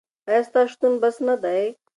ایا ستا شتون بس نه دی؟